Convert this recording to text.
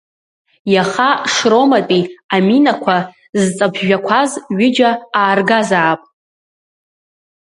Иаха Шроматәи аминақәа зҵаԥжәақәаз ҩыџьа ааргазаап.